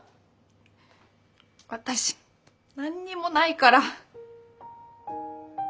私何にもないから。